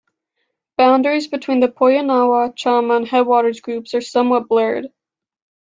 Boundaries between the Poyanawa, Chama, and Headwaters groups are somewhat blurred.